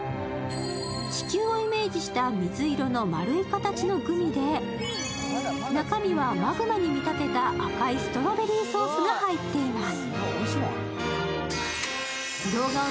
地球をイメージした水色の丸い形のグミで中身はマグマに見立てた赤いストロベリーソースが入っています。